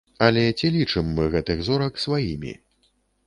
Але ці лічым мы гэтых зорак сваімі?